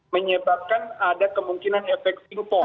menyebabkan ada kemungkinan efek singkong